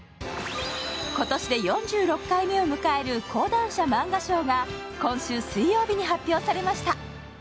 今年で４６回目を迎える講談社漫画賞が今週水曜日に発表されました。